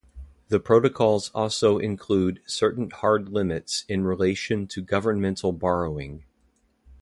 The protocols also include certain hard limits in relation to Governmental borrowing.